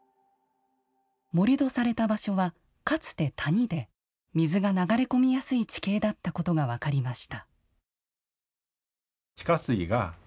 盛土された場所は、かつて谷で水が流れ込みやすい地形だったことが分かりました。